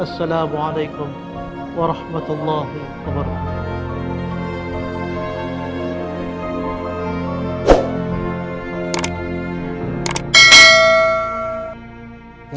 assalamualaikum warahmatullahi wabarakatuh